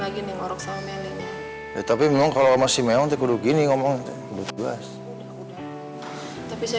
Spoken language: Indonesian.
lagi nih orang sama melly tapi memang kalau masih memang kudu gini ngomong udah jelas tapi saya